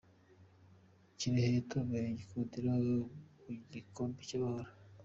Kirehe yatomboye gikundiro mugikombe cy’amahoro